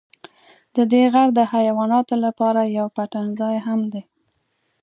ددې غر د حیواناتو لپاره یو پټنځای هم دی.